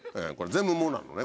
全部「も」なのね。